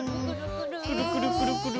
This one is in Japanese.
くるくるくるくる！